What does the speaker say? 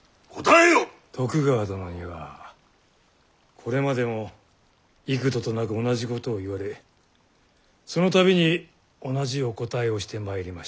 徳川殿にはこれまでも幾度となく同じことを言われそのたびに同じお答えをしてまいりましたが。